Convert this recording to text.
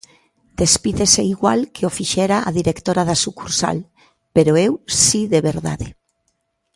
Despídese igual que o fixera a directora da sucursal, Pero eu si de verdade.